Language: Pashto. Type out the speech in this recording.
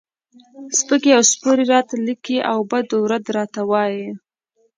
سپکې او سپورې راته لیکي او بد و رد راته وایي.